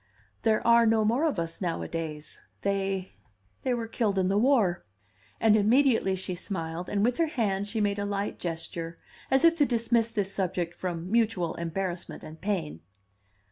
"There are no more of us nowadays; they they were killed in the war." And immediately she smiled, and with her hand she made a light gesture, as if to dismiss this subject from mutual embarrassment and pain.